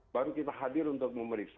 baru kita hadir untuk memeriksa